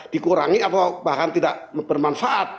dikurangi atau bahkan tidak bermanfaat